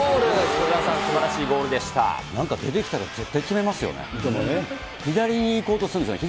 北澤さん、すばらしいゴールでしなんか出てきたら絶対決めますよね。